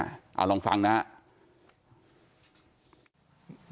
เอาลองฟังนะครับ